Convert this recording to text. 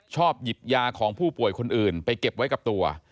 ชอบหยิบยาของผู้ป่วยคนอื่นไปเก็บไว้กับตัว